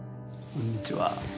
こんにちは。